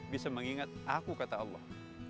bisa mengingat aku kata allah